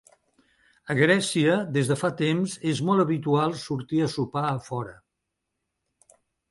A Grècia des de fa temps és molt habitual sortir a sopar a fora.